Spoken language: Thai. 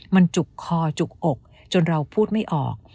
มันจุกคอจุกอกจนเราพูดไม่ออก